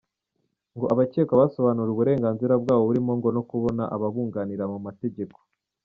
Ngo abakekwa basobanuriwe uburenganzira bwabo burimo ngo no kubona ababunganira mu mategeko.